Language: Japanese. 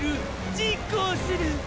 実行する！！